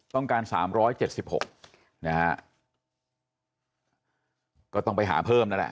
ต้องการ๓๗๖นะฮะก็ต้องไปหาเพิ่มนั่นแหละ